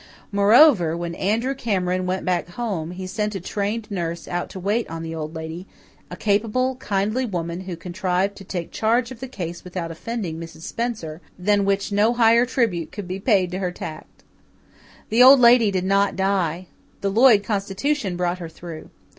Moreover, when Andrew Cameron went back home, he sent a trained nurse out to wait on the Old Lady, a capable, kindly woman who contrived to take charge of the case without offending Mrs. Spencer than which no higher tribute could be paid to her tact! The Old Lady did not die the Lloyd constitution brought her through.